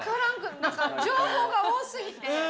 情報が多すぎて。